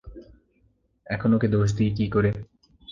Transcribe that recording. এখন ওকে দোষ দিই কী করে।